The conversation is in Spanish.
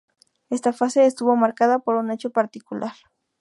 Esta fase estuvo marcada por un hecho particular.